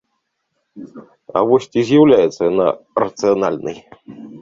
А вось ці з'яўляецца яна рацыянальнай?